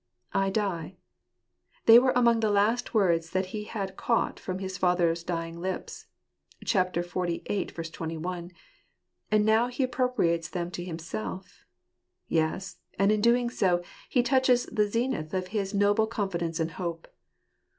I die. They were among the last words that he had caught from his father's dying lips (chap, xlviii. 21), and now he appro priates them to himself; yes, and in doing so, he touches the zenith of his noble confidence and hope.